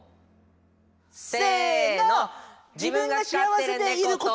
せの！